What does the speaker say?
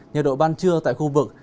nhiệt độ ban trưa tại khu vực